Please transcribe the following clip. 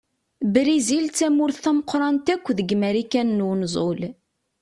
Brizil d tamurt tameqqṛant akk deg Marikan n unẓul.